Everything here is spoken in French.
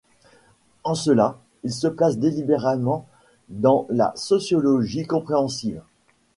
En cela, il se place délibérément dans la sociologie compréhensive.